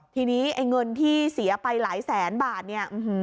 ทีนี้ไอ้เงินที่เสียไปหลายแสนบาทเนี่ย